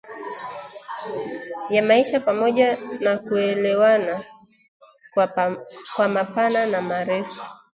ya maisha pamoja na kuelewana kwa mapana na marefu